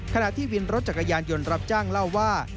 ขณะที่วินรถจักรยานยนต์รับจ้างเล่าว่า